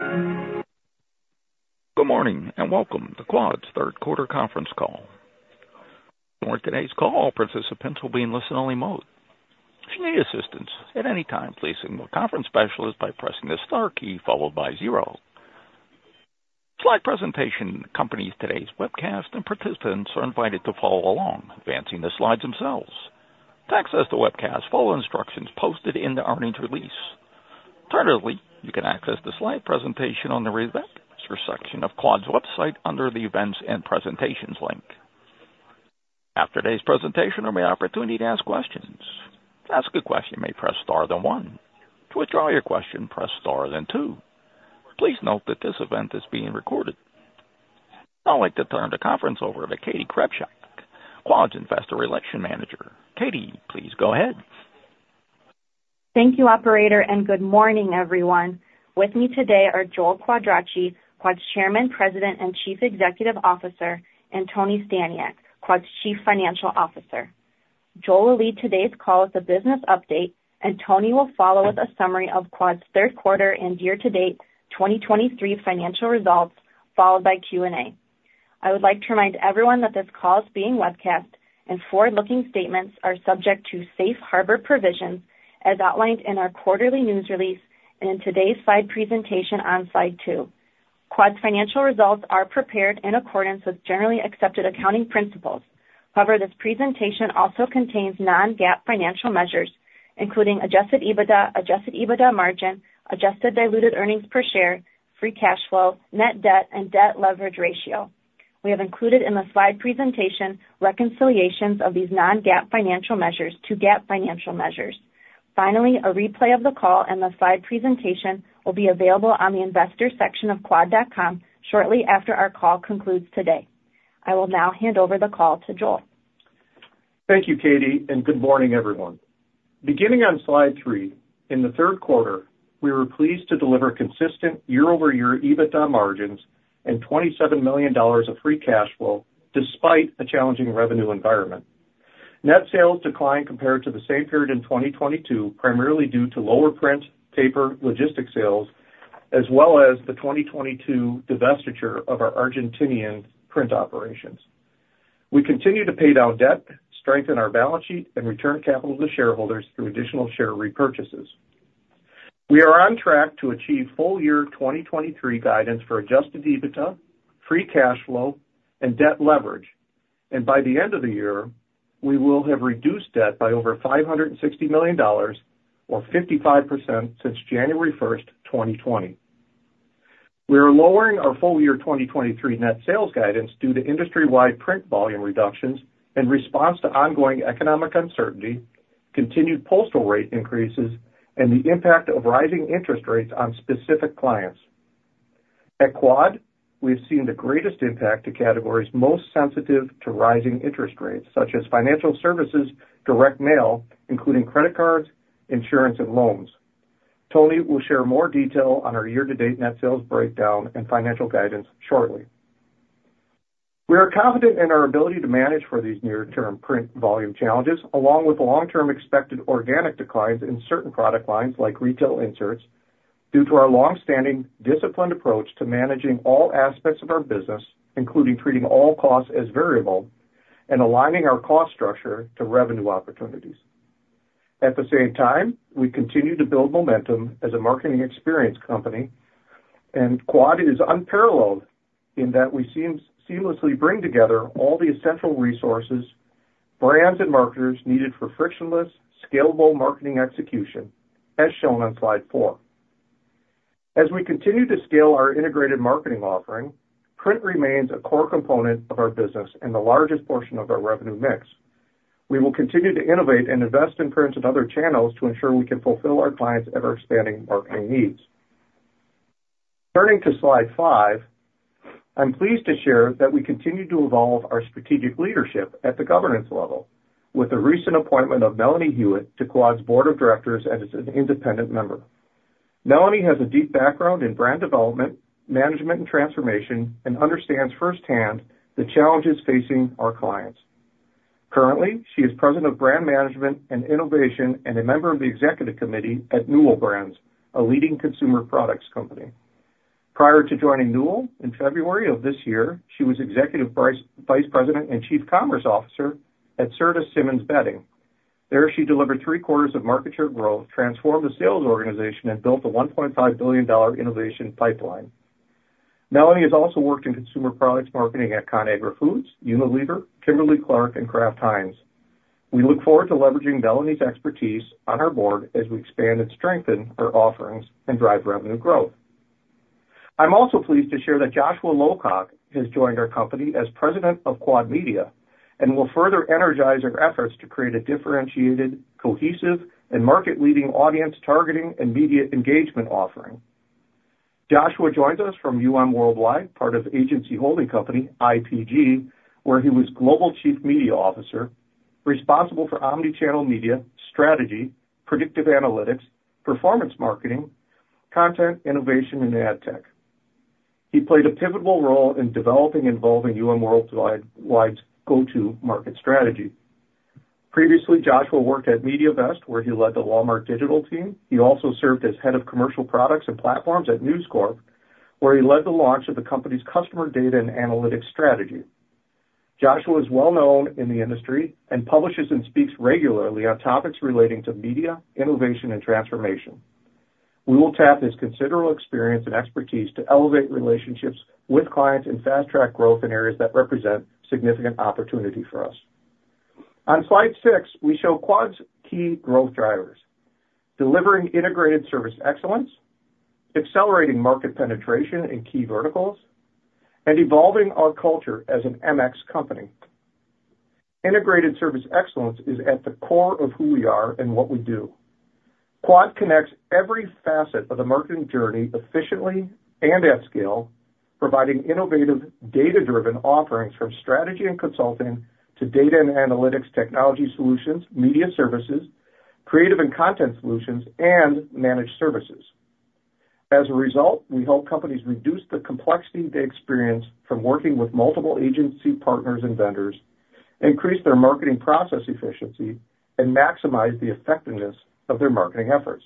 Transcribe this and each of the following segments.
Good morning, and welcome to Quad's Third Quarter Conference Call. During today's call, participants will be in listen-only mode. If you need assistance at any time, please signal a conference specialist by pressing the star key followed by zero. A slide presentation accompanies today's webcast, and participants are invited to follow along, advancing the slides themselves. To access the webcast, follow instructions posted in the earnings release. Alternatively, you can access the slide presentation on the Investors section of Quad's website under the Events and Presentations link. After today's presentation, there may be an opportunity to ask questions. To ask a question, you may press star then one. To withdraw your question, press star then two. Please note that this event is being recorded. I'd now like to turn the conference over to Katie Krebsbach, Quad's Investor Relations Manager. Katie, please go ahead. Thank you, operator, and good morning, everyone. With me today are Joel Quadracci, Quad's Chairman, President, and Chief Executive Officer, and Tony Staniak, Quad's Chief Financial Officer. Joel will lead today's call with a business update, and Tony will follow with a summary of Quad's third quarter and year-to-date 2023 financial results, followed by Q&A. I would like to remind everyone that this call is being webcast, and forward-looking statements are subject to safe harbor provisions, as outlined in our quarterly news release and in today's slide presentation on slide 2. Quad's financial results are prepared in accordance with generally accepted accounting principles. However, this presentation also contains non-GAAP financial measures, including adjusted EBITDA, adjusted EBITDA margin, adjusted diluted earnings per share, free cash flow, net debt, and debt leverage ratio. We have included in the slide presentation reconciliations of these non-GAAP financial measures to GAAP financial measures. Finally, a replay of the call and the slide presentation will be available on the Investors section of quad.com shortly after our call concludes today. I will now hand over the call to Joel. Thank you, Katie, and good morning, everyone. Beginning on slide 3, in the third quarter, we were pleased to deliver consistent year-over-year EBITDA margins and $27 million of free cash flow, despite a challenging revenue environment. Net sales declined compared to the same period in 2022, primarily due to lower print, paper, logistics sales, as well as the 2022 divestiture of our Argentine print operations. We continue to pay down debt, strengthen our balance sheet, and return capital to shareholders through additional share repurchases. We are on track to achieve full year 2023 guidance for adjusted EBITDA, free cash flow, and debt leverage, and by the end of the year, we will have reduced debt by over $560 million, or 55%, since January 1, 2020. We are lowering our full year 2023 net sales guidance due to industry-wide print volume reductions in response to ongoing economic uncertainty, continued postal rate increases, and the impact of rising interest rates on specific clients. At Quad, we've seen the greatest impact to categories most sensitive to rising interest rates, such as financial services, direct mail, including credit cards, insurance, and loans. Tony will share more detail on our year-to-date net sales breakdown and financial guidance shortly. We are confident in our ability to manage for these near-term print volume challenges, along with the long-term expected organic declines in certain product lines, like retail inserts, due to our long-standing, disciplined approach to managing all aspects of our business, including treating all costs as variable and aligning our cost structure to revenue opportunities. At the same time, we continue to build momentum as a marketing experience company, and Quad is unparalleled in that we seem, seamlessly bring together all the essential resources, brands, and marketers needed for frictionless, scalable marketing execution, as shown on slide four. As we continue to scale our integrated marketing offering, print remains a core component of our business and the largest portion of our revenue mix. We will continue to innovate and invest in print and other channels to ensure we can fulfill our clients' ever-expanding marketing needs. Turning to slide 5, I'm pleased to share that we continue to evolve our strategic leadership at the governance level with the recent appointment of Melanie Huet to Quad's board of directors as an independent member. Melanie has a deep background in brand development, management, and transformation, and understands firsthand the challenges facing our clients. Currently, she is President of Brand Management and Innovation and a member of the Executive Committee at Newell Brands, a leading consumer products company. Prior to joining Newell in February of this year, she was Executive Vice President and Chief Commerce Officer at Serta Simmons Bedding. There, she delivered 3/4 of market share growth, transformed the sales organization, and built a $1.5 billion innovation pipeline. Melanie has also worked in consumer products marketing at ConAgra Foods, Unilever, Kimberly-Clark, and Kraft Heinz. We look forward to leveraging Melanie's expertise on our board as we expand and strengthen our offerings and drive revenue growth. I'm also pleased to share that Joshua Lowcock has joined our company as President of Quad Media and will further energize our efforts to create a differentiated, cohesive, and market-leading audience targeting and media engagement offering. Joshua joins us from UM Worldwide, part of agency holding company, IPG, where he was Global Chief Media Officer, responsible for omni-channel media, strategy, predictive analytics, performance marketing, content innovation, and ad tech. He played a pivotal role in developing and evolving UM Worldwide's go-to-market strategy. Previously, Joshua worked at Mediavest, where he led the Walmart digital team. He also served as Head of Commercial Products and Platforms at News Corp, where he led the launch of the company's customer data and analytics strategy. Joshua is well known in the industry and publishes and speaks regularly on topics relating to media, innovation, and transformation. We will tap his considerable experience and expertise to elevate relationships with clients and fast-track growth in areas that represent significant opportunity for us. On slide 6, we show Quad's key growth drivers: delivering integrated service excellence, accelerating market penetration in key verticals, and evolving our culture as an MX company. Integrated service excellence is at the core of who we are and what we do. Quad connects every facet of the marketing journey efficiently and at scale, providing innovative, data-driven offerings from strategy and consulting to data and analytics, technology solutions, media services, creative and content solutions, and managed services. As a result, we help companies reduce the complexity they experience from working with multiple agency partners and vendors, increase their marketing process efficiency, and maximize the effectiveness of their marketing efforts.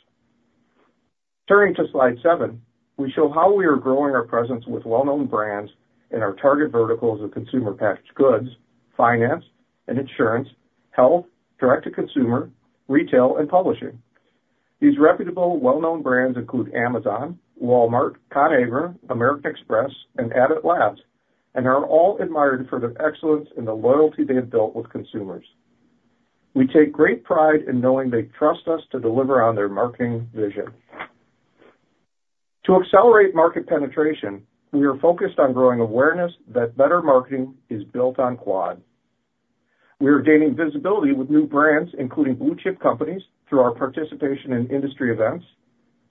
Turning to slide 7, we show how we are growing our presence with well-known brands in our target verticals of consumer packaged goods, finance and insurance, health, direct-to-consumer, retail, and publishing. These reputable, well-known brands include Amazon, Walmart, ConAgra, American Express, and Abbott Labs, and are all admired for their excellence and the loyalty they have built with consumers. We take great pride in knowing they trust us to deliver on their marketing vision. To accelerate market penetration, we are focused on growing awareness that better marketing is built on Quad. We are gaining visibility with new brands, including blue-chip companies, through our participation in industry events.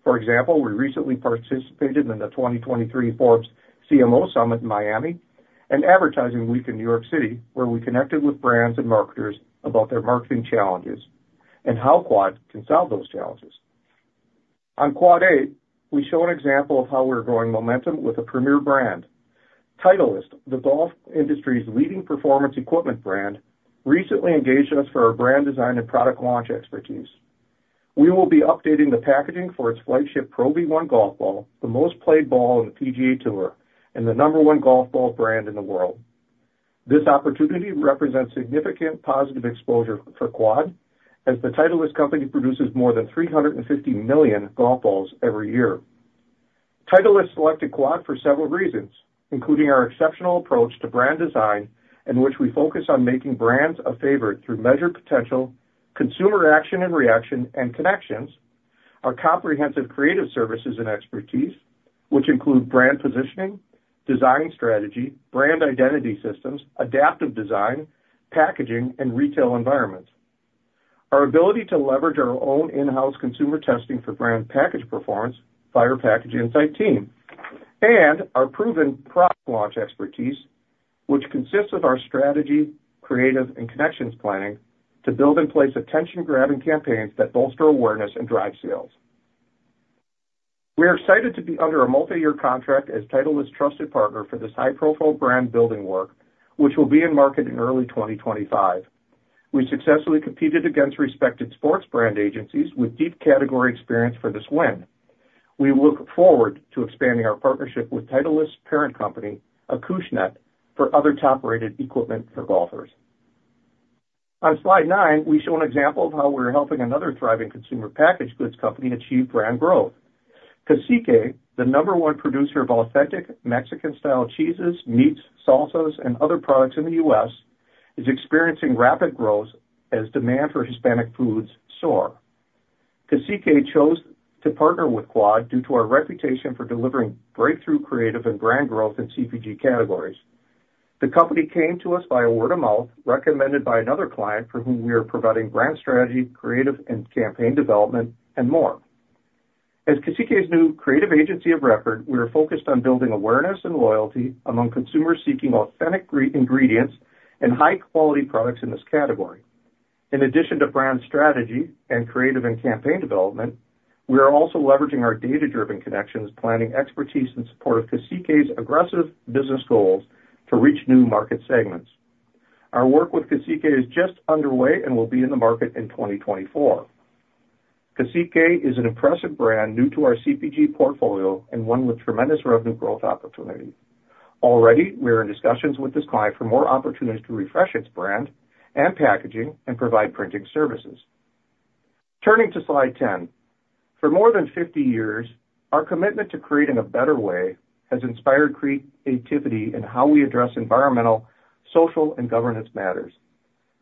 For example, we recently participated in the 2023 Forbes CMO Summit in Miami and Advertising Week in New York City, where we connected with brands and marketers about their marketing challenges and how Quad can solve those challenges. On Quad Eight, we show an example of how we're growing momentum with a premier brand. Titleist, the golf industry's leading performance equipment brand, recently engaged us for our brand design and product launch expertise. We will be updating the packaging for its flagship Pro V1 golf ball, the most played ball in the PGA Tour and the number one golf ball brand in the world. This opportunity represents significant positive exposure for Quad, as the Titleist company produces more than 350 million golf balls every year. Titleist selected Quad for several reasons, including our exceptional approach to brand design, in which we focus on making brands a favorite through measured potential, consumer action and reaction, and connections. Our comprehensive creative services and expertise, which include brand positioning, design strategy, brand identity systems, adaptive design, packaging, and retail environments. Our ability to leverage our own in-house consumer testing for brand package performance by our package insight team, and our proven product launch expertise, which consists of our strategy, creative, and connections planning to build and place attention-grabbing campaigns that bolster awareness and drive sales. We are excited to be under a multi-year contract as Titleist's trusted partner for this high-profile brand building work, which will be in market in early 2025. We successfully competed against respected sports brand agencies with deep category experience for this win. We look forward to expanding our partnership with Titleist's parent company, Acushnet, for other top-rated equipment for golfers. On slide 9, we show an example of how we're helping another thriving consumer packaged goods company achieve brand growth. Cacique, the number one producer of authentic Mexican-style cheeses, meats, salsas, and other products in the U.S., is experiencing rapid growth as demand for Hispanic foods soar. Cacique chose to partner with Quad due to our reputation for delivering breakthrough creative and brand growth in CPG categories. The company came to us by word of mouth, recommended by another client for whom we are providing brand strategy, creative and campaign development, and more. As Cacique's new creative agency of record, we are focused on building awareness and loyalty among consumers seeking authentic, great ingredients and high-quality products in this category. In addition to brand strategy and creative and campaign development, we are also leveraging our data-driven connections, planning expertise in support of Cacique's aggressive business goals to reach new market segments. Our work with Cacique is just underway and will be in the market in 2024. Cacique is an impressive brand new to our CPG portfolio and one with tremendous revenue growth opportunity. Already, we are in discussions with this client for more opportunities to refresh its brand and packaging and provide printing services. Turning to slide 10. For more than 50 years, our commitment to creating a better way has inspired creativity in how we address environmental, social, and governance matters.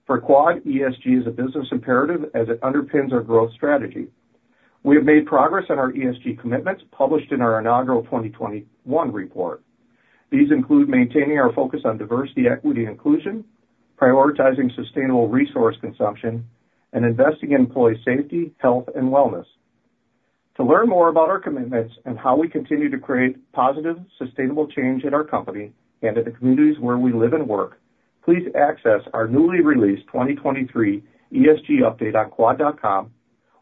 For Quad, ESG is a business imperative as it underpins our growth strategy. We have made progress on our ESG commitments, published in our inaugural 2021 report. These include maintaining our focus on diversity, equity, and inclusion, prioritizing sustainable resource consumption, and investing in employee safety, health, and wellness. To learn more about our commitments and how we continue to create positive, sustainable change in our company and in the communities where we live and work, please access our newly released 2023 ESG update on quad.com...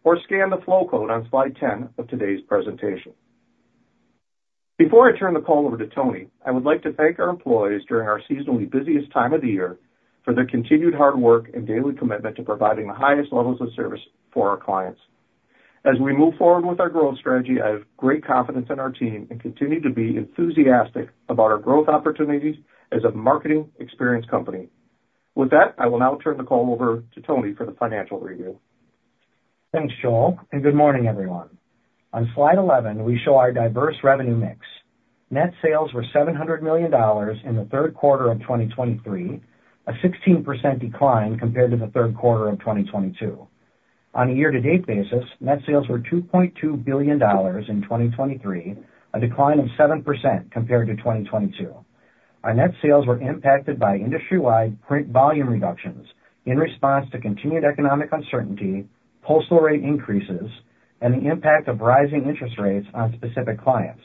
or scan the flow code on Slide 10 of today's presentation. Before I turn the call over to Tony, I would like to thank our employees during our seasonally busiest time of the year for their continued hard work and daily commitment to providing the highest levels of service for our clients. As we move forward with our growth strategy, I have great confidence in our team and continue to be enthusiastic about our growth opportunities as a marketing experience company. With that, I will now turn the call over to Tony for the financial review. Thanks, Joel, and good morning, everyone. On Slide 11, we show our diverse revenue mix. Net sales were $700 million in the third quarter of 2023, a 16% decline compared to the third quarter of 2022. On a year-to-date basis, net sales were $2.2 billion in 2023, a decline of 7% compared to 2022. Our net sales were impacted by industry-wide print volume reductions in response to continued economic uncertainty, postal rate increases, and the impact of rising interest rates on specific clients.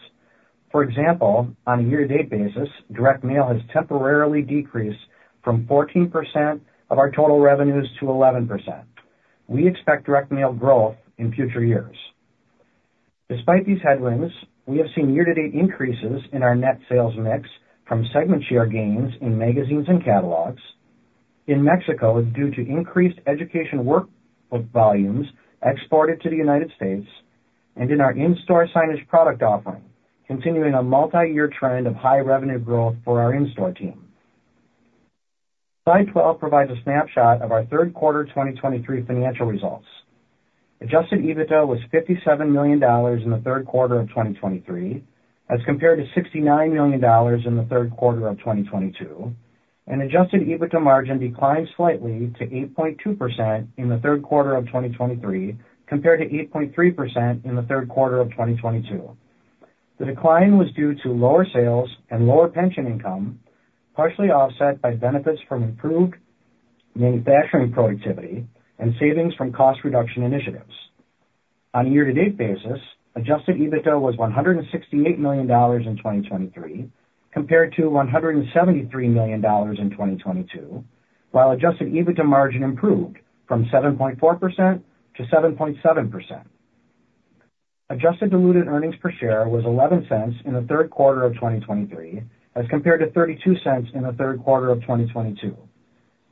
For example, on a year-to-date basis, direct mail has temporarily decreased from 14% of our total revenues to 11%. We expect direct mail growth in future years. Despite these headwinds, we have seen year-to-date increases in our net sales mix from segment share gains in magazines and catalogs. In Mexico, due to increased education workbook volumes exported to the United States and in our in-store signage product offering, continuing a multi-year trend of high revenue growth for our in-store team. Slide 12 provides a snapshot of our third quarter 2023 financial results. Adjusted EBITDA was $57 million in the third quarter of 2023, as compared to $69 million in the third quarter of 2022, and adjusted EBITDA margin declined slightly to 8.2% in the third quarter of 2023, compared to 8.3% in the third quarter of 2022. The decline was due to lower sales and lower pension income, partially offset by benefits from improved manufacturing productivity and savings from cost reduction initiatives. On a year-to-date basis, Adjusted EBITDA was $168 million in 2023, compared to $173 million in 2022, while Adjusted EBITDA Margin improved from 7.4% to 7.7%. Adjusted Diluted Earnings Per Share was $0.11 in the third quarter of 2023, as compared to $0.32 in the third quarter of 2022.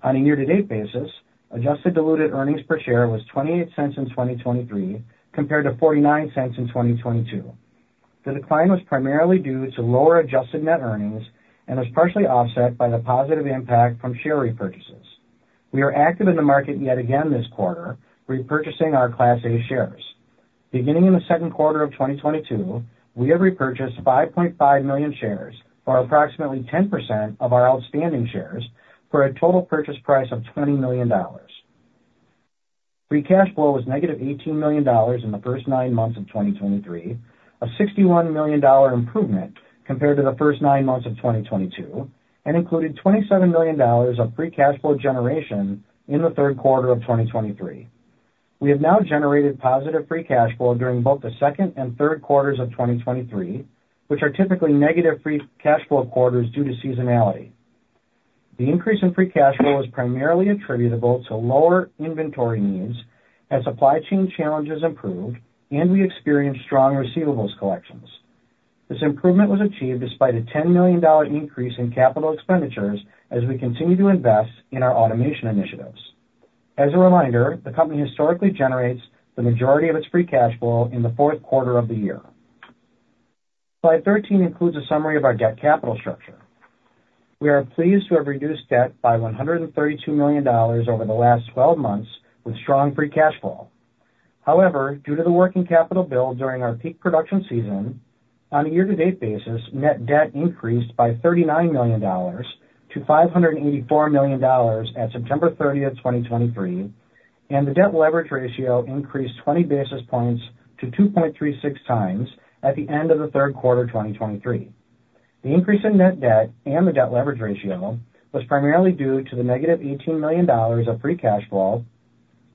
On a year-to-date basis, Adjusted Diluted Earnings Per Share was $0.28 in 2023, compared to $0.49 in 2022. The decline was primarily due to lower adjusted net earnings and was partially offset by the positive impact from share repurchases. We are active in the market yet again this quarter, repurchasing our Class A shares. Beginning in the second quarter of 2022, we have repurchased 5.5 million shares, or approximately 10% of our outstanding shares, for a total purchase price of $20 million. Free cash flow was negative $18 million in the first nine months of 2023, a $61 million improvement compared to the first nine months of 2022, and included $27 million of free cash flow generation in the third quarter of 2023. We have now generated positive free cash flow during both the second and third quarters of 2023, which are typically negative free cash flow quarters due to seasonality. The increase in free cash flow is primarily attributable to lower inventory needs as supply chain challenges improved and we experienced strong receivables collections. This improvement was achieved despite a $10 million increase in capital expenditures as we continue to invest in our automation initiatives. As a reminder, the company historically generates the majority of its free cash flow in the fourth quarter of the year. Slide 13 includes a summary of our debt capital structure. We are pleased to have reduced debt by $132 million over the last 12 months with strong free cash flow. However, due to the working capital build during our peak production season, on a year-to-date basis, net debt increased by $39 million to $584 million at September 30, 2023, and the debt leverage ratio increased 20 basis points to 2.36 times at the end of the third quarter of 2023. The increase in net debt and the Debt Leverage Ratio was primarily due to the negative $18 million of free cash flow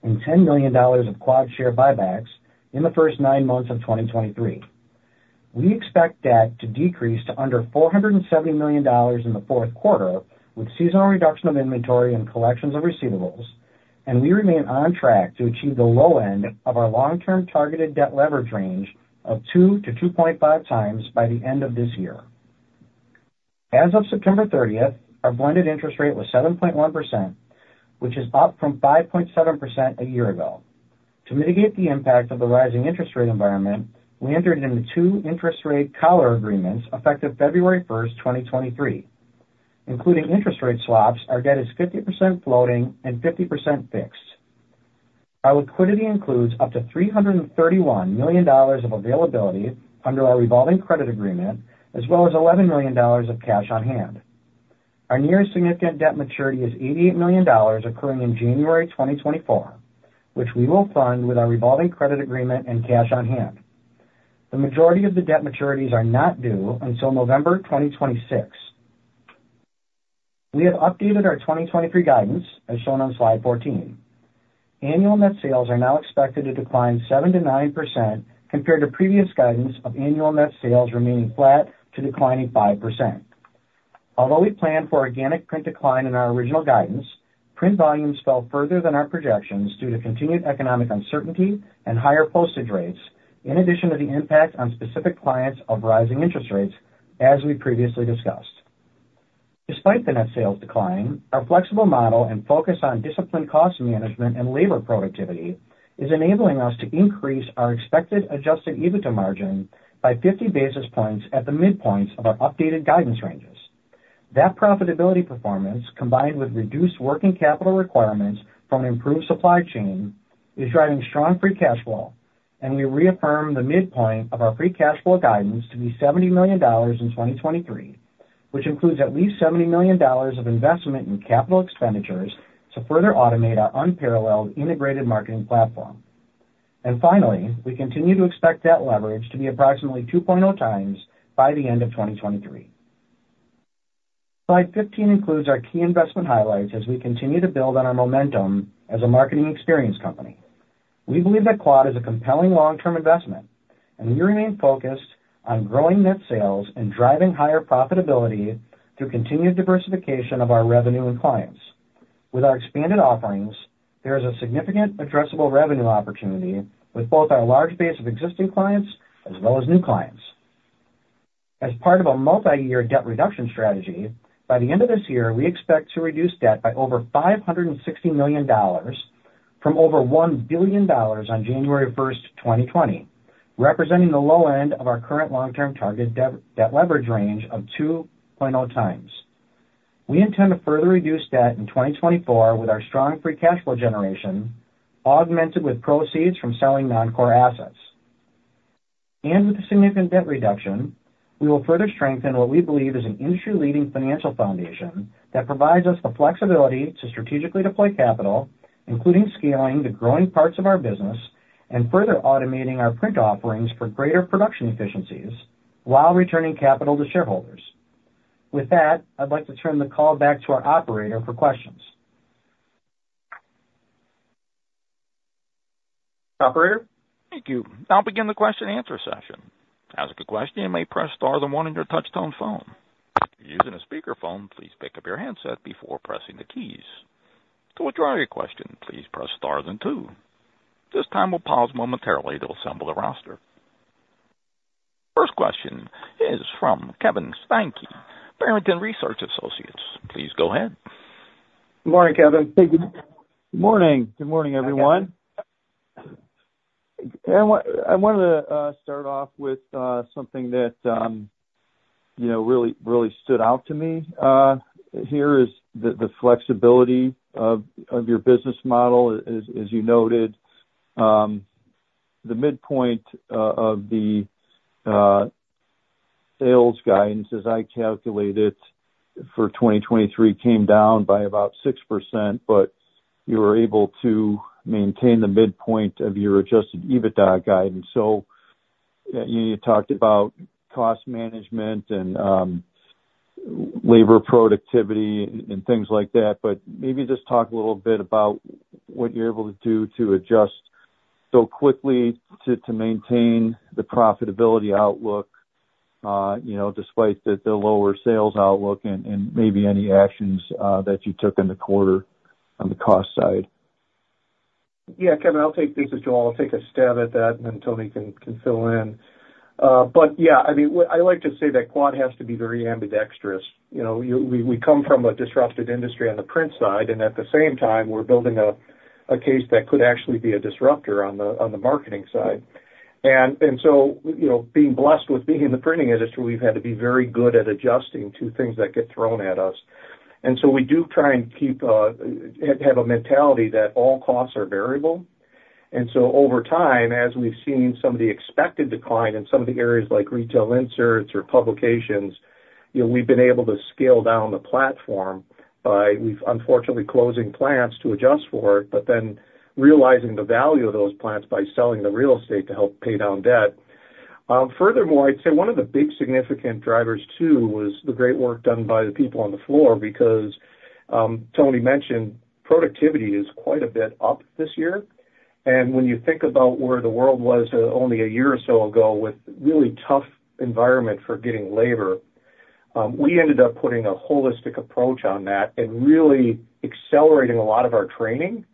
and $10 million of Quad share buybacks in the first nine months of 2023. We expect debt to decrease to under $470 million in the fourth quarter, with seasonal reduction of inventory and collections of receivables, and we remain on track to achieve the low end of our long-term targeted Debt Leverage Ratio range of 2-2.5 times by the end of this year. As of September 30, our blended interest rate was 7.1%, which is up from 5.7% a year ago. To mitigate the impact of the rising interest rate environment, we entered into two interest rate collar agreements effective February 1, 2023. Including interest rate swaps, our debt is 50% floating and 50% fixed. Our liquidity includes up to $331 million of availability under our revolving credit agreement, as well as $11 million of cash on hand. Our nearest significant debt maturity is $88 million occurring in January 2024, which we will fund with our revolving credit agreement and cash on hand. The majority of the debt maturities are not due until November 2026. We have updated our 2023 guidance, as shown on Slide 14. Annual net sales are now expected to decline 7%-9% compared to previous guidance of annual net sales remaining flat to declining 5%.... Although we planned for organic print decline in our original guidance, print volumes fell further than our projections due to continued economic uncertainty and higher postage rates, in addition to the impact on specific clients of rising interest rates, as we previously discussed. Despite the net sales decline, our flexible model and focus on disciplined cost management and labor productivity is enabling us to increase our expected Adjusted EBITDA margin by 50 basis points at the midpoint of our updated guidance ranges. That profitability performance, combined with reduced working capital requirements from improved supply chain, is driving strong free cash flow, and we reaffirm the midpoint of our free cash flow guidance to be $70 million in 2023, which includes at least $70 million of investment in capital expenditures to further automate our unparalleled integrated marketing platform. Finally, we continue to expect debt leverage to be approximately 2.0 times by the end of 2023. Slide 15 includes our key investment highlights as we continue to build on our momentum as a marketing experience company. We believe that Quad is a compelling long-term investment, and we remain focused on growing net sales and driving higher profitability through continued diversification of our revenue and clients. With our expanded offerings, there is a significant addressable revenue opportunity with both our large base of existing clients as well as new clients. As part of a multiyear debt reduction strategy, by the end of this year, we expect to reduce debt by over $560 million from over $1 billion on January 1, 2020, representing the low end of our current long-term target debt leverage range of 2.0 times. We intend to further reduce debt in 2024 with our strong free cash flow generation, augmented with proceeds from selling non-core assets. With the significant debt reduction, we will further strengthen what we believe is an industry-leading financial foundation that provides us the flexibility to strategically deploy capital, including scaling the growing parts of our business, and further automating our print offerings for greater production efficiencies while returning capital to shareholders. With that, I'd like to turn the call back to our operator for questions. Operator? Thank you. I'll begin the question and answer session. To ask a question, you may press star then one on your touchtone phone. If you're using a speakerphone, please pick up your handset before pressing the keys. To withdraw your question, please press star then two. This time, we'll pause momentarily to assemble the roster. First question is from Kevin Steinke, Barrington Research Associates. Please go ahead. Good morning, Kevin. Thank you. Morning. Good morning, everyone. I wanted to start off with something that you know really really stood out to me here is the flexibility of your business model. As you noted, the midpoint of the sales guidance, as I calculate it, for 2023, came down by about 6%, but you were able to maintain the midpoint of your Adjusted EBITDA guidance. So you talked about cost management and labor productivity and things like that, but maybe just talk a little bit about what you're able to do to adjust so quickly to maintain the profitability outlook, you know, despite the lower sales outlook and maybe any actions that you took in the quarter on the cost side. Yeah, Kevin, I'll take... Thanks, Joel. I'll take a stab at that, and then Tony can fill in. But yeah, I mean, what I like to say that Quad has to be very ambidextrous. You know, we come from a disrupted industry on the print side, and at the same time, we're building a case that could actually be a disruptor on the marketing side. And so, you know, being blessed with being in the printing industry, we've had to be very good at adjusting to things that get thrown at us. And so we do try and keep have a mentality that all costs are variable. And so over time, as we've seen some of the expected decline in some of the areas like retail inserts or publications, you know, we've been able to scale down the platform by we've unfortunately closing plants to adjust for it, but then realizing the value of those plants by selling the real estate to help pay down debt. Furthermore, I'd say one of the big significant drivers, too, was the great work done by the people on the floor, because, Tony mentioned productivity is quite a bit up this year. And when you think about where the world was only a year or so ago, with really tough environment for getting labor, we ended up putting a holistic approach on that and really accelerating a lot of our training. And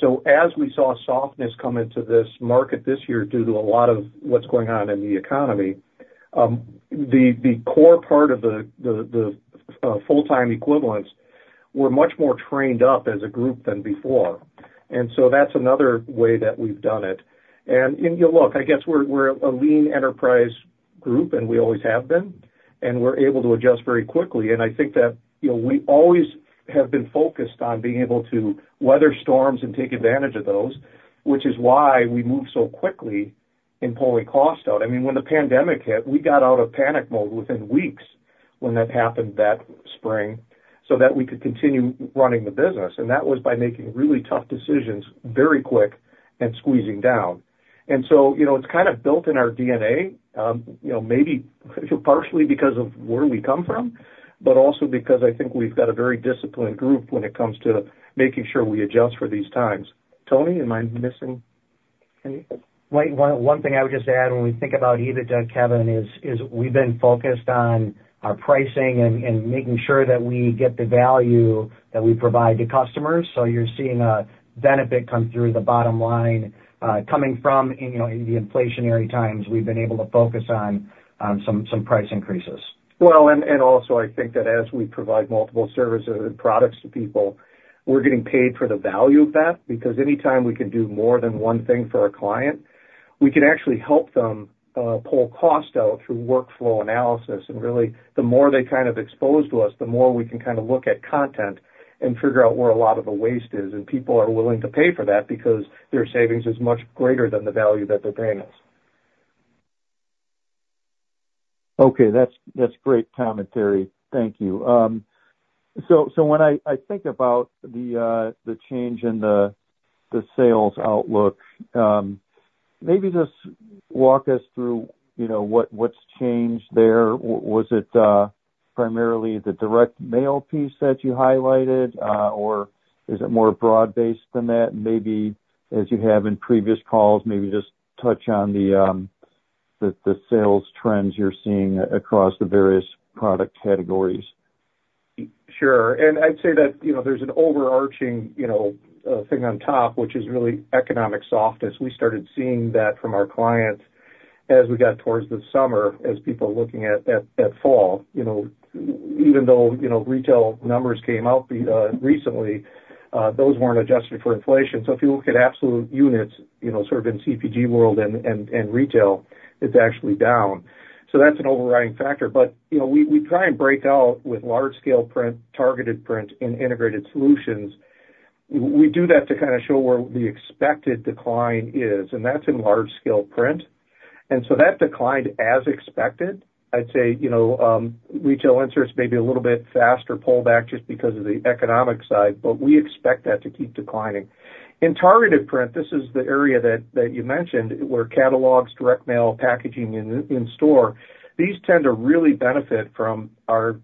so as we saw softness come into this market this year, due to a lot of what's going on in the economy, the core part of the full-time equivalents were much more trained up as a group than before. And so that's another way that we've done it. And you look, I guess we're a lean enterprise group, and we always have been, and we're able to adjust very quickly. And I think that, you know, we always have been focused on being able to weather storms and take advantage of those, which is why we move so quickly in pulling costs out. I mean, when the pandemic hit, we got out of panic mode within weeks when that happened that spring, so that we could continue running the business, and that was by making really tough decisions very quick and squeezing down. And so, you know, it's kind of built in our DNA, you know, maybe partially because of where we come from, but also because I think we've got a very disciplined group when it comes to making sure we adjust for these times. Tony, am I missing? And one thing I would just add when we think about EBITDA, Kevin, is we've been focused on our pricing and making sure that we get the value that we provide to customers. You're seeing a benefit come through the bottom line, coming from, you know, in the inflationary times, we've been able to focus on some price increases. Well, and also, I think that as we provide multiple services and products to people, we're getting paid for the value of that, because anytime we can do more than one thing for our client, we can actually help them pull cost out through workflow analysis. And really, the more they kind of expose to us, the more we can kind of look at content and figure out where a lot of the waste is. And people are willing to pay for that because their savings is much greater than the value that they're paying us. Okay, that's, that's great commentary. Thank you. So when I think about the change in the sales outlook, maybe just walk us through, you know, what's changed there. Was it primarily the direct mail piece that you highlighted, or is it more broad-based than that? Maybe as you have in previous calls, maybe just touch on the sales trends you're seeing across the various product categories. Sure. And I'd say that, you know, there's an overarching, you know, thing on top, which is really economic softness. We started seeing that from our clients as we got towards the summer, as people are looking at fall, you know, even though, you know, retail numbers came out recently, those weren't adjusted for inflation. So if you look at absolute units, you know, sort of in CPG world and retail, it's actually down. So that's an overriding factor. But, you know, we try and break out with large scale print, targeted print, and integrated solutions. We do that to kind of show where the expected decline is, and that's in large scale print. And so that declined as expected. I'd say, you know, retail inserts may be a little bit faster pullback just because of the economic side, but we expect that to keep declining. In targeted print, this is the area that you mentioned, where catalogs, direct mail, packaging in store. These tend to really benefit from our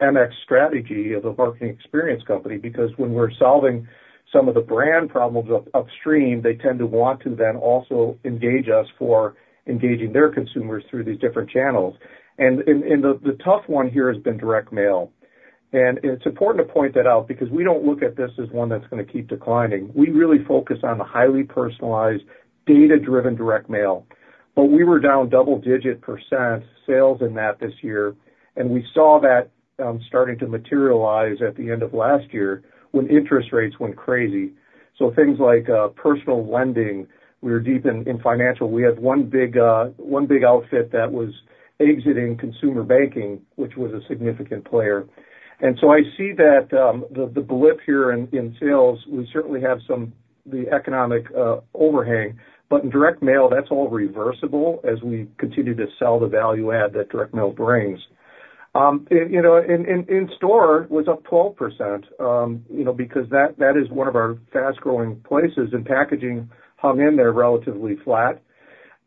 MX strategy as a marketing experience company, because when we're solving some of the brand problems upstream, they tend to want to then also engage us for engaging their consumers through these different channels. And the tough one here has been direct mail. And it's important to point that out because we don't look at this as one that's gonna keep declining. We really focus on the highly personalized, data-driven, direct mail. But we were down double-digit% in sales in that this year, and we saw that starting to materialize at the end of last year when interest rates went crazy. So things like personal lending, we were deep in financial. We had one big outfit that was exiting consumer banking, which was a significant player. And so I see that the blip here in sales, we certainly have some economic overhang, but in direct mail, that's all reversible as we continue to sell the value add that direct mail brings. And you know, in-store was up 12%, you know, because that is one of our fast-growing places, and packaging hung in there relatively flat.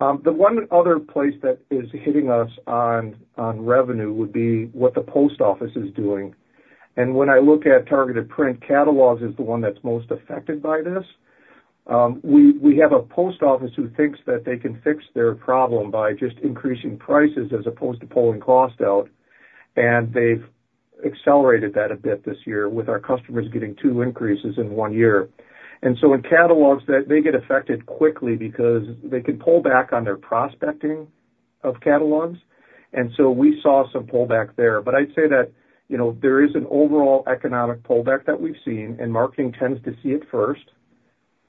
The one other place that is hitting us on revenue would be what the post office is doing. When I look at targeted print, catalogs is the one that's most affected by this. We have a post office who thinks that they can fix their problem by just increasing prices as opposed to pulling cost out, and they've accelerated that a bit this year with our customers getting two increases in one year. So in catalogs, they get affected quickly because they can pull back on their prospecting of catalogs, and so we saw some pullback there. But I'd say that, you know, there is an overall economic pullback that we've seen, and marketing tends to see it first.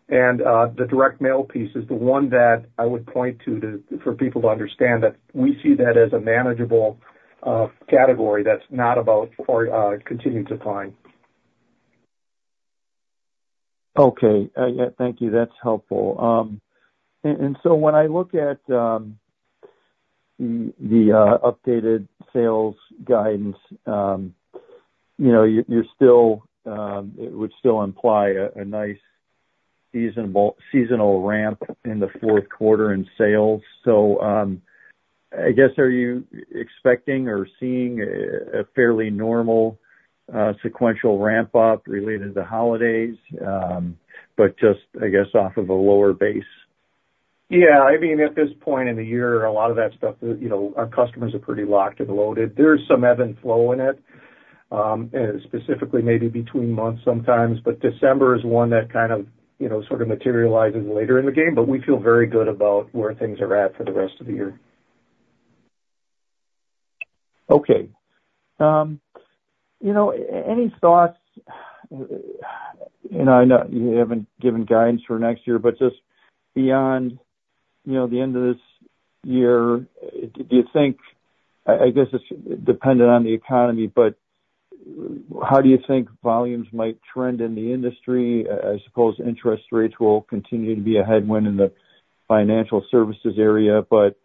The direct mail piece is the one that I would point to for people to understand that we see that as a manageable category that's not about or continuing to decline. Okay. Yeah, thank you. That's helpful. And so when I look at the updated sales guidance, you know, you still, it would still imply a nice seasonal ramp in the fourth quarter in sales. So, I guess, are you expecting or seeing a fairly normal sequential ramp up related to the holidays, but just, I guess, off of a lower base? Yeah, I mean, at this point in the year, a lot of that stuff, you know, our customers are pretty locked and loaded. There's some ebb and flow in it, and specifically maybe between months sometimes, but December is one that kind of, you know, sort of materializes later in the game, but we feel very good about where things are at for the rest of the year. Okay, you know, any thoughts... You know, I know you haven't given guidance for next year, but just beyond, you know, the end of this year, do you think, I guess it's dependent on the economy, but how do you think volumes might trend in the industry? I suppose interest rates will continue to be a headwind in the financial services area, but,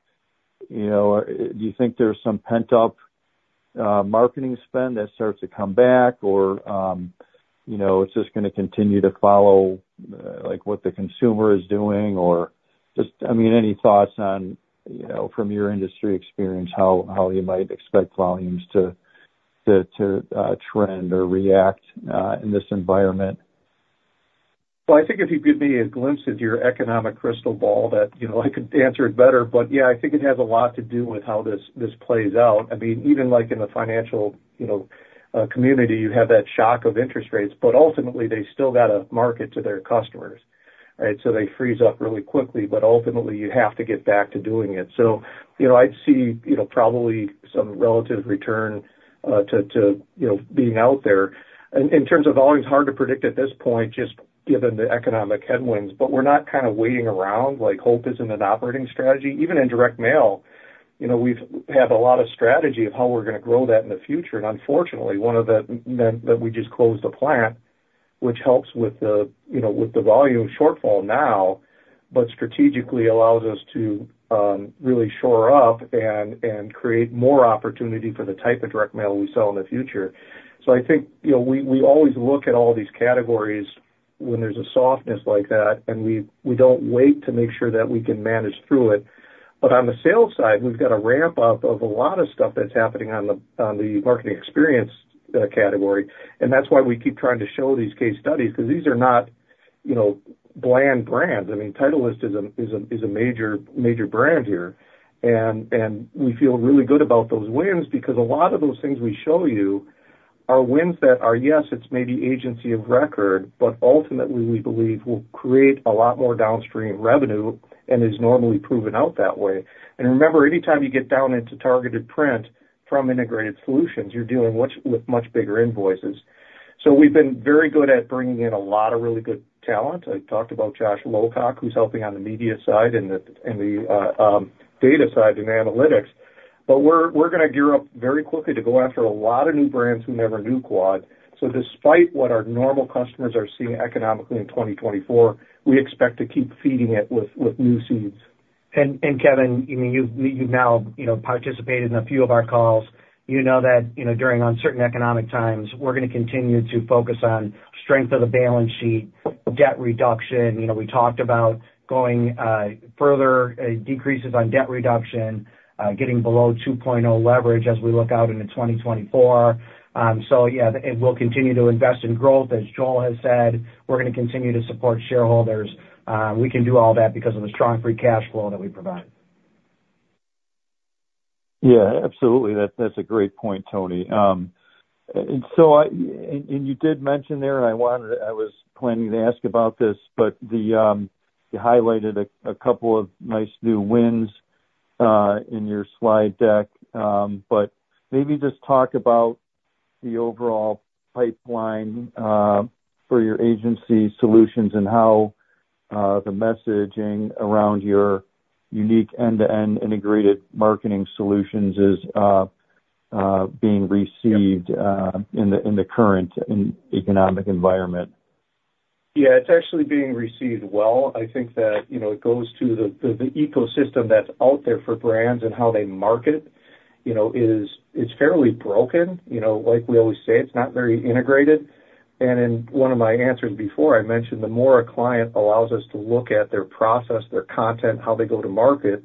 you know, do you think there's some pent up marketing spend that starts to come back? Or, you know, it's just gonna continue to follow, like, what the consumer is doing, or?... Just, I mean, any thoughts on, you know, from your industry experience, how you might expect volumes to trend or react in this environment? Well, I think if you give me a glimpse into your economic crystal ball that, you know, I could answer it better. But yeah, I think it has a lot to do with how this plays out. I mean, even like in the financial, you know, community, you have that shock of interest rates, but ultimately, they still got to market to their customers, right? So they freeze up really quickly, but ultimately, you have to get back to doing it. So, you know, I'd see, you know, probably some relative return to being out there. In terms of volumes, hard to predict at this point, just given the economic headwinds, but we're not kind of waiting around, like, hope isn't an operating strategy. Even in direct mail, you know, we have a lot of strategy of how we're going to grow that in the future. Unfortunately, one of the plants that we just closed, which helps with the, you know, with the volume shortfall now, but strategically allows us to really shore up and create more opportunity for the type of direct mail we sell in the future. So I think, you know, we always look at all these categories when there's a softness like that, and we don't wait to make sure that we can manage through it. But on the sales side, we've got a ramp up of a lot of stuff that's happening on the marketing experience category. And that's why we keep trying to show these case studies, because these are not, you know, bland brands. I mean, Titleist is a major brand here. And we feel really good about those wins because a lot of those things we show you are wins that are, yes, it's maybe agency of record, but ultimately, we believe will create a lot more downstream revenue and is normally proven out that way. And remember, anytime you get down into targeted print from integrated solutions, you're dealing with much bigger invoices. So we've been very good at bringing in a lot of really good talent. I talked about Joshua Lowcock, who's helping on the media side and the data side and analytics. But we're gonna gear up very quickly to go after a lot of new brands who never knew Quad. Despite what our normal customers are seeing economically in 2024, we expect to keep feeding it with new seeds. And Kevin, you've now, you know, participated in a few of our calls. You know that, you know, during uncertain economic times, we're gonna continue to focus on strength of the balance sheet, debt reduction. You know, we talked about going further decreases on debt reduction, getting below 2.0 leverage as we look out into 2024. So yeah, and we'll continue to invest in growth. As Joel has said, we're gonna continue to support shareholders. We can do all that because of the strong free cash flow that we provide. Yeah, absolutely. That's a great point, Tony. And so you did mention there, and I wanted, I was planning to ask about this, but you highlighted a couple of nice new wins in your slide deck. But maybe just talk about the overall pipeline for your agency solutions and how the messaging around your unique end-to-end integrated marketing solutions is being received in the current economic environment. Yeah, it's actually being received well. I think that, you know, it goes to the ecosystem that's out there for brands and how they market, you know, it's fairly broken. You know, like we always say, it's not very integrated. And in one of my answers before, I mentioned, the more a client allows us to look at their process, their content, how they go to market,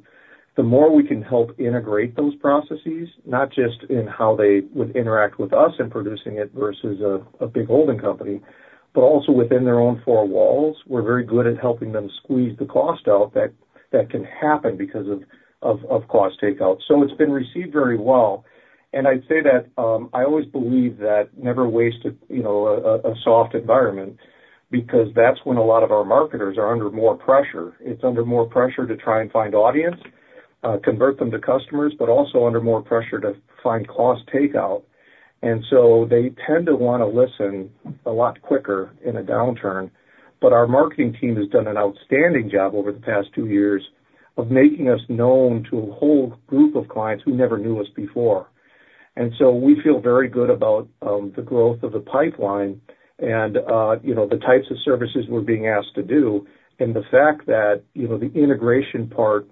the more we can help integrate those processes, not just in how they would interact with us in producing it versus a big holding company, but also within their own four walls. We're very good at helping them squeeze the cost out that can happen because of cost takeout. So it's been received very well. And I'd say that I always believe that never waste a soft environment, because that's when a lot of our marketers are under more pressure. It's under more pressure to try and find audience, convert them to customers, but also under more pressure to find cost takeout. And so they tend to want to listen a lot quicker in a downturn. But our marketing team has done an outstanding job over the past two years of making us known to a whole group of clients who never knew us before. And so we feel very good about the growth of the pipeline and you know, the types of services we're being asked to do, and the fact that you know, the integration part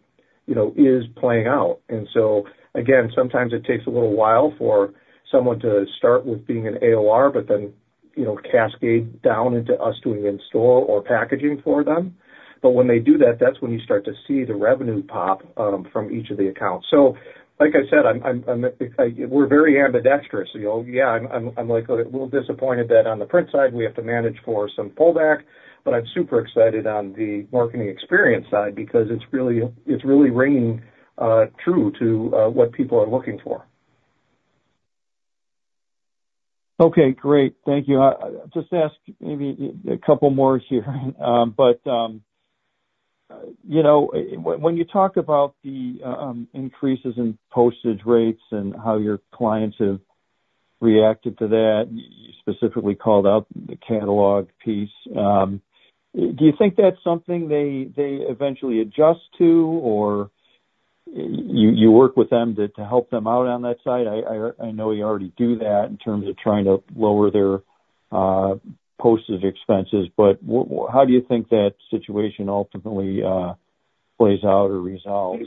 you know, is playing out. So again, sometimes it takes a little while for someone to start with being an AOR, but then, you know, cascade down into us doing in-store or packaging for them. But when they do that, that's when you start to see the revenue pop from each of the accounts. So, like I said, I'm we're very ambidextrous, you know? Yeah, I'm like, a little disappointed that on the print side, we have to manage for some pullback, but I'm super excited on the marketing experience side because it's really ringing true to what people are looking for. Okay, great. Thank you. Just ask maybe a couple more here. But, you know, when you talk about the increases in postage rates and how your clients have reacted to that, you specifically called out the catalog piece. Do you think that's something they eventually adjust to, or you work with them to help them out on that side? I know you already do that in terms of trying to lower their postage expenses, but how do you think that situation ultimately plays out or resolves?...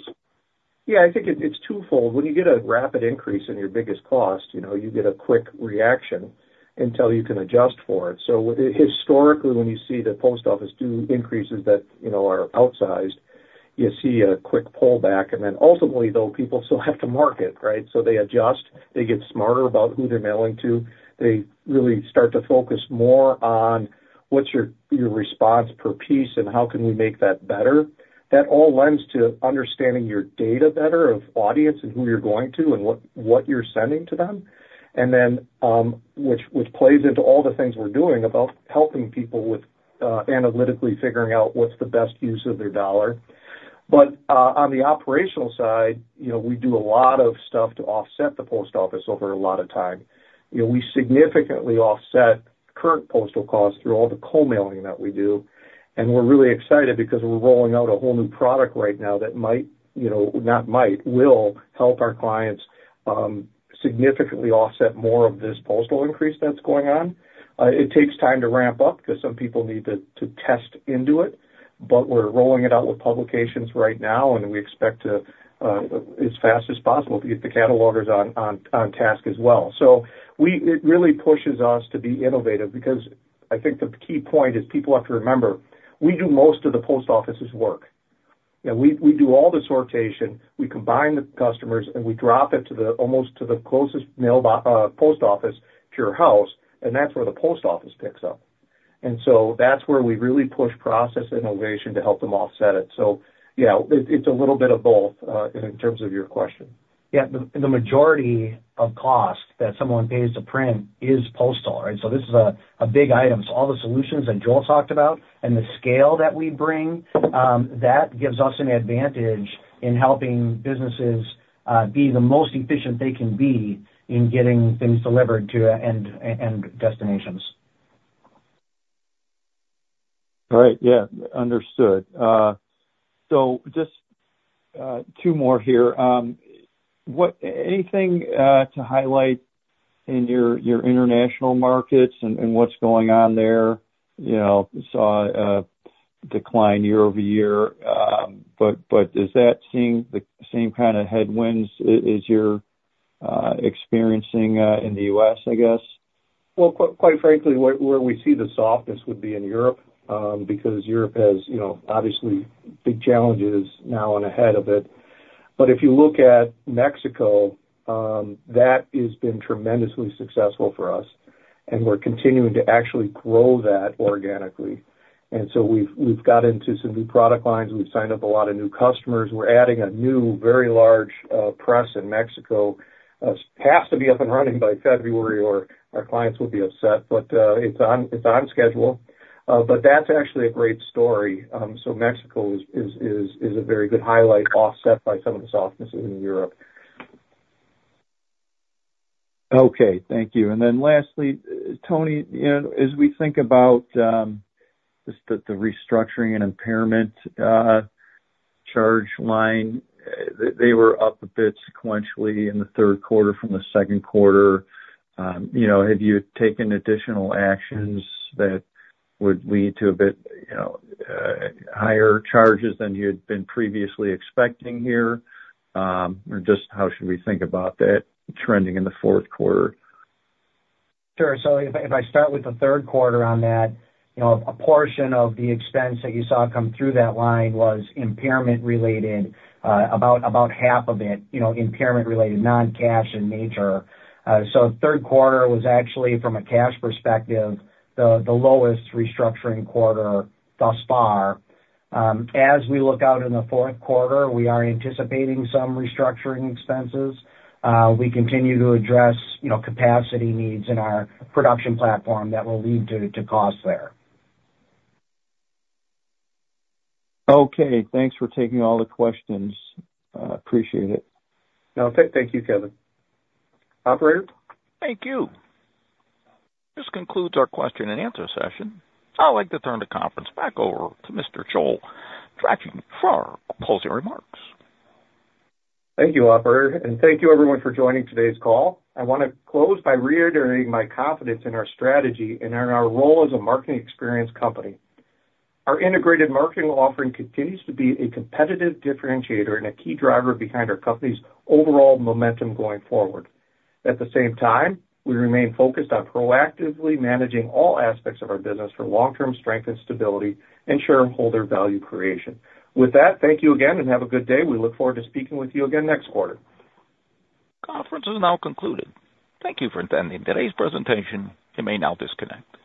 Yeah, I think it's twofold. When you get a rapid increase in your biggest cost, you know, you get a quick reaction until you can adjust for it. So historically, when you see the post office do increases that, you know, are outsized, you see a quick pullback. And then ultimately, though, people still have to market, right? So they adjust, they get smarter about who they're mailing to. They really start to focus more on what's your response per piece and how can we make that better. That all lends to understanding your data better of audience and who you're going to and what you're sending to them. And then, which plays into all the things we're doing about helping people with analytically figuring out what's the best use of their dollar. But, on the operational side, you know, we do a lot of stuff to offset the post office over a lot of time. You know, we significantly offset current postal costs through all the co-mailing that we do, and we're really excited because we're rolling out a whole new product right now that might, you know, not might, will help our clients, significantly offset more of this postal increase that's going on. It takes time to ramp up, because some people need to test into it, but we're rolling it out with publications right now, and we expect to, as fast as possible, to get the catalogers on task as well. So it really pushes us to be innovative because I think the key point is people have to remember, we do most of the post office's work. You know, we do all the sortation, we combine the customers, and we drop it almost to the closest mailbox to your house, and that's where the post office picks up. And so that's where we really push process innovation to help them offset it. So yeah, it's a little bit of both in terms of your question. Yeah. The majority of cost that someone pays to print is postal, right? So this is a big item. So all the solutions that Joel talked about and the scale that we bring, that gives us an advantage in helping businesses be the most efficient they can be in getting things delivered to end destinations. All right. Yeah, understood. So just two more here. What, anything to highlight in your international markets and what's going on there? You know, saw a decline year-over-year, but does that seem the same kind of headwinds as you're experiencing in the US, I guess? Well, quite frankly, where we see the softness would be in Europe, because Europe has, you know, obviously big challenges now and ahead of it. But if you look at Mexico, that has been tremendously successful for us, and we're continuing to actually grow that organically. And so we've got into some new product lines. We've signed up a lot of new customers. We're adding a new, very large, press in Mexico. It has to be up and running by February or our clients will be upset, but it's on schedule. But that's actually a great story. So Mexico is a very good highlight, offset by some of the softnesses in Europe. Okay. Thank you. And then lastly, Tony, you know, as we think about just the restructuring and impairment charge line, they were up a bit sequentially in the third quarter from the second quarter. You know, have you taken additional actions that would lead to a bit, you know, higher charges than you'd been previously expecting here? Or just how should we think about that trending in the fourth quarter? Sure. So if I start with the third quarter on that, you know, a portion of the expense that you saw come through that line was impairment related, about half of it, you know, impairment related, non-cash in nature. So third quarter was actually, from a cash perspective, the lowest restructuring quarter thus far. As we look out in the fourth quarter, we are anticipating some restructuring expenses. We continue to address, you know, capacity needs in our production platform that will lead to costs there. Okay. Thanks for taking all the questions. Appreciate it. No, thank you, Kevin. Operator? Thank you. This concludes our question and answer session. I'd like to turn the conference back over to Mr. Joel Quadracci for our closing remarks. Thank you, operator, and thank you everyone for joining today's call. I want to close by reiterating my confidence in our strategy and in our role as a marketing experience company. Our integrated marketing offering continues to be a competitive differentiator and a key driver behind our company's overall momentum going forward. At the same time, we remain focused on proactively managing all aspects of our business for long-term strength and stability and shareholder value creation. With that, thank you again and have a good day. We look forward to speaking with you again next quarter. Conference is now concluded. Thank you for attending today's presentation. You may now disconnect.